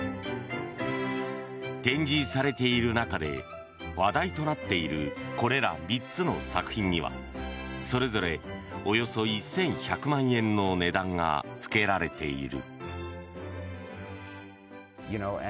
展示されている中で話題となっているこれら３つの作品にはそれぞれおよそ１１００万円の値段がつけられている。